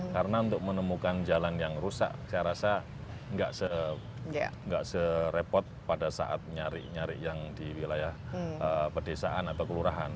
karena untuk menemukan jalan yang rusak saya rasa tidak serepot pada saat nyari nyari yang di wilayah pedesaan atau kelurahan